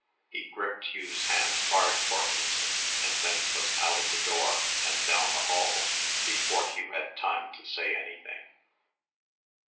He gripped Hugh's hand hard for an instant and then was out of the door and down the hall before Hugh had time to say anything.